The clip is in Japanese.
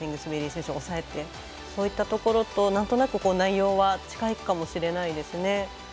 ベリー選手を抑えて、そういったところとなんとなく内容は近いかもしれないですね。